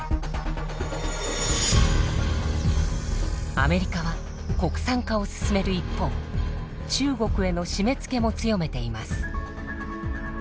アメリカは国産化を進める一方中国への締めつけも強めています。